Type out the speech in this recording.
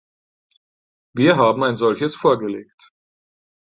Wir haben ein solches vorgelegt.